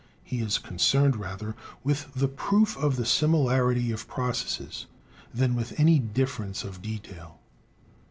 He is concerned rather with the proof of the similarity of processes than with any difference of detail.